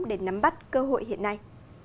để nắm bắt cơ hội hiện nay